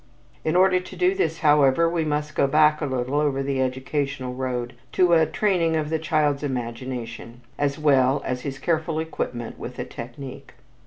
In order to do this, however, we must go back a little over the educational road to a training of the child's imagination, as well as to his careful equipment with a technique.